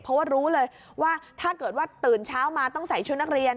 เพราะว่ารู้เลยว่าถ้าเกิดว่าตื่นเช้ามาต้องใส่ชุดนักเรียน